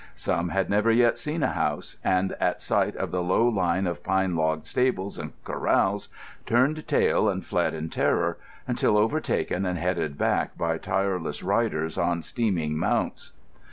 Some had never yet seen a house, and at sight of the low line of pine log stables and corrals turned tail and fled in terror, until overtaken and headed back by tireless riders on steaming mounts.